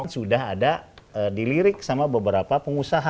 sudah ada dilirik sama beberapa pengusaha